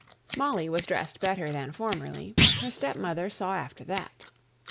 Molly was better dressed than formerly; her stepmother saw after that.